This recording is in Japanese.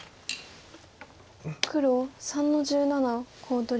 黒３の十七コウ取り。